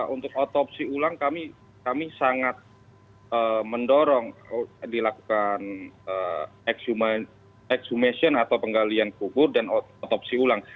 untuk otopsi ulang kami sangat mendorong dilakukan exhumation atau penggalian kubur dan otopsi ulang